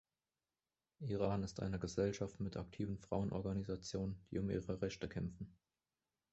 Iran ist eine Gesellschaft mit aktiven Frauenorganisationen, die um ihre Rechte kämpfen.